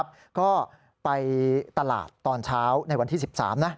ก็ไปตลาดตอนเช้าในวันที่๑๓นะ